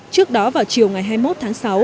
trước đó vào chiều ngày hai mươi một tháng sáu